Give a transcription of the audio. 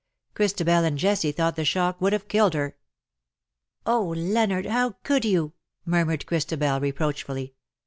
Christabel and Jessie thought the shock would have killed her. " Oh, Leonard ! how could you T' murmured Christabel, reproachfully.